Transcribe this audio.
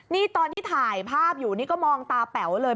นี่ตอนที่ถ่ายภาพอยู่นี่ก็มองตาแป๋วเลย